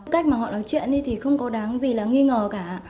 cách mà họ nói chuyện thì không có đáng gì là nghi ngờ cả